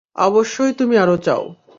অবশ্যই তুমি আরো চাও।